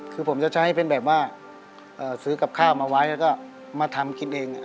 คือผมจะใช้เป็นแบบว่าซื้อกับข้าวมาไว้แล้วก็มาทำกินเอง